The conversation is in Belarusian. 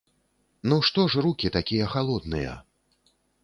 Ну што ж рукі такія халодныя?!